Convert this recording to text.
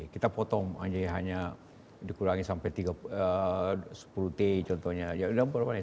kita potong hanya dikurangi sampai sepuluh t contohnya